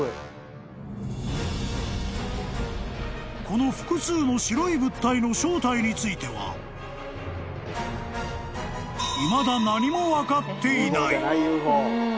［この複数の白い物体の正体についてはいまだ何も分かっていない］